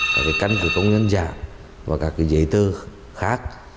các cánh của công nhân giả và các dây tơ khác